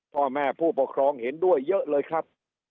พ่อแม่ผู้ปกครองเห็นด้วยเยอะเลยครับ